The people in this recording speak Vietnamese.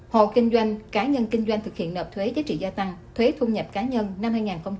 hộ kinh doanh cá nhân kinh doanh thực hiện nợp thuế giá trị gia tăng thuế thu nhập cá nhân năm hai nghìn một mươi chín